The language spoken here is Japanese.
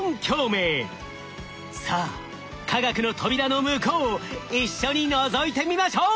さあ化学の扉の向こうを一緒にのぞいてみましょう！